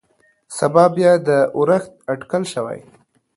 سبا بيا د اورښت اټکل شوى.